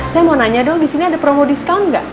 saya mau nanya dong disini ada promo discount gak